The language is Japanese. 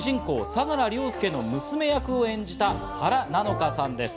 ・相良凌介の娘役を演じた原菜乃華さんです。